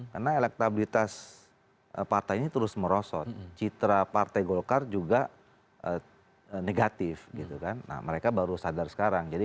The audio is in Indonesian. karena elektabilitas partai ini terus merosot citra partai golkar juga negatif gitu kan nah mereka baru sadar sekarang